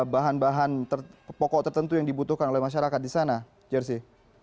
bahan bahan pokok tertentu yang dibutuhkan oleh masyarakat di sana jersey